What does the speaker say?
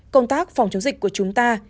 công tác phòng chống dịch của chúng ta